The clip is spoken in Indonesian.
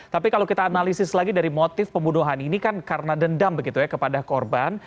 tapi kalau kita analisis lagi dari motif pembunuhan ini kan karena dendam begitu ya kepada korban